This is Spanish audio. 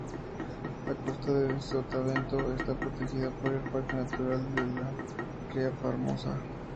La costa de Sotavento está protegida por el Parque Natural de la Ria Formosa.